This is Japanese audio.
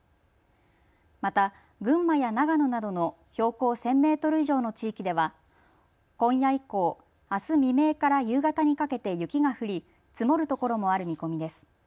また群馬や長野などの標高１０００メートル以上の地域では今夜以降、あす未明から夕方にかけて雪が降り積もるところもある見込みです。